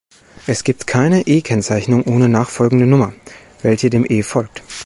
Es gibt keine E-Kennzeichnung ohne nachfolgende Nummer, welche dem „E“ folgt.